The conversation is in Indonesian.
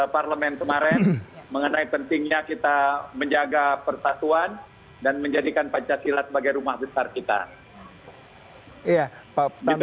parlemen kemarin mengenai pentingnya kita menjaga persatuan dan menjadikan pancasila sebagai rumah besar kita